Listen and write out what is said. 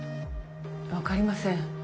分かりません。